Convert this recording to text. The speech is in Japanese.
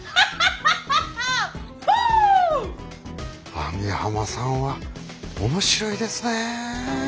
網浜さんは面白いですね。